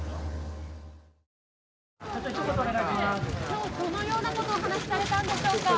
今日どのようなことをお話しされたんでしょうか？